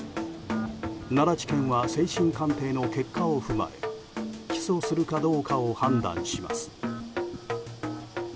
奈良地検は精神鑑定の結果を踏まえ起訴するかどうかを判断します。